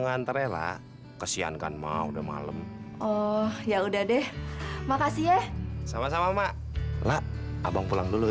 ngantre lak kesiankan mau udah malem oh ya udah deh makasih ya sama sama mak lak abang pulang dulu